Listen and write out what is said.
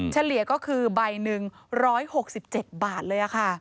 เฉลี่ยก็คือใบหนึ่ง๑๖๗บาทเลยค่ะ